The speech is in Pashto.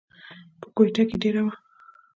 پۀ کوئټه کښې دېره وو،